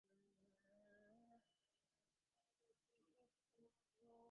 কামার-তাজের পূর্ণ শক্তি তোমার বিরুদ্ধে দাঁড়িয়ে আছে।